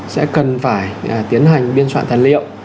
sẽ cần phải tiến hành biên soạn thần liệu